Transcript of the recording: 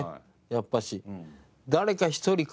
やっぱし。